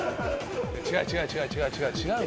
違う違う違う違う違う。